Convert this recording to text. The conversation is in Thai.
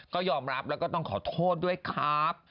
ก็ยอมรับแล้วก็ต้องขอโทษด้วยครับ